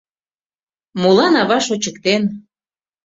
Молан ава шочыктен?